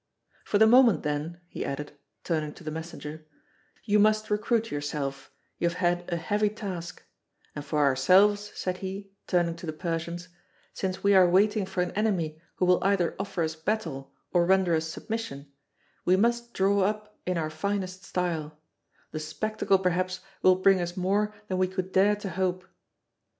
For the moment then," he added, turning to the messenger, "you must recruit yourself; you have had a heavy task; and for ourselves," said he, turning to the Persians, "since we are waiting for an enemy who will either offer us battle or render us submission, we must draw up in our finest style; the spectacle, perhaps, will bring us more than we could dare to hope.